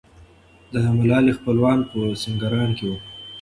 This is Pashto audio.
د ملالۍ خپلوان په سینګران کې وو.